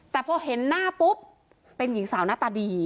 แต่พอเห็นหน้าปุ๊บเป็นหญิงสาวหน้าตาดี